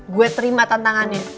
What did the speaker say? gue terima tantangannya